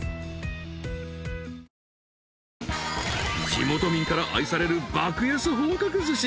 ［地元民から愛される爆安本格ずし］